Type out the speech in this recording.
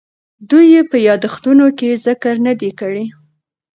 دوی یې په یادښتونو کې ذکر نه دی کړی.